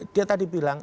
dia tadi bilang